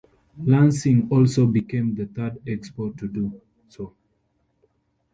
Lansing also became the third Expo to do so.